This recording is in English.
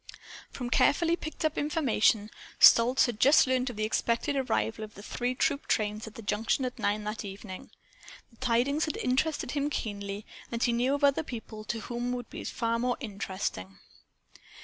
From carefully picked up information Stolz had just learned of the expected arrival of the three troop trains at the junction at nine that evening. The tidings had interested him keenly, and he knew of other people to whom they would be far more interesting.